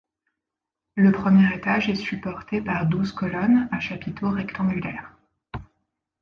Le premier étage est supporté par douze colonnes à chapiteaux rectangulaires.